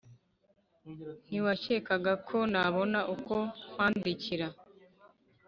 ntiwakekaga ko nabona uko nkwandikira